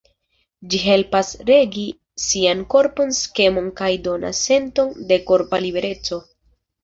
Ĝi helpas regi sian korpan skemon kaj donas senton de korpa libereco.